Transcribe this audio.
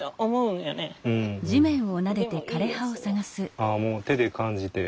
ああもう手で感じて。